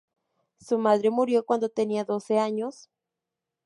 Su madre murió cuando tenía doce años.